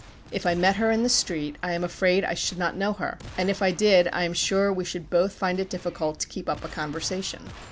If I met her in the street, I am afraid I should not know her; and if I did, I am sure we should both find it difficult to keep up a conversation.